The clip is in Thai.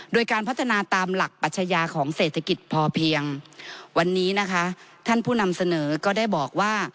โดยการพัฒนาตามหลักปัชญาของเศรษฐกิจพอเพียงวันนี้นะคะท่านผู้นำเสนอก็ได้บอกว่า